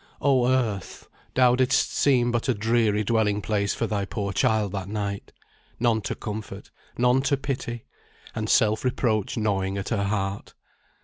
Oh, earth! thou didst seem but a dreary dwelling place for thy poor child that night. None to comfort, none to pity! And self reproach gnawing at her heart.